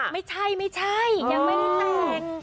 ไม่ใช่ยังไม่ได้แต่ง